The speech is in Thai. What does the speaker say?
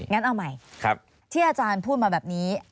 งั้นเอาใหม่ที่อาจารย์พูดมาแบบนี้